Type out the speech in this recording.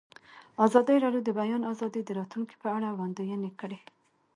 ازادي راډیو د د بیان آزادي د راتلونکې په اړه وړاندوینې کړې.